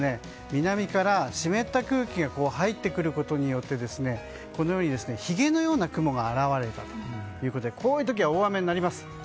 南から湿った空気が入ってくることによってこのように、ひげのような雲が現れたということでこういう時は大雨になります。